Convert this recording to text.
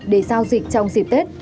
để giao dịch trong dịp tết